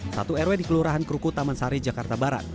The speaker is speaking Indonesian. satu rw di kelurahan kruku taman sari jakarta barat